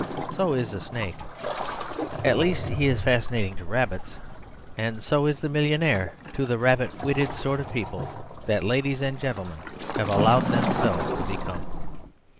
So is a snake. At least he is fascinating to rabbits; and so is the millionaire to the rabbit witted sort of people that ladies and gentlemen have allowed themselves to become.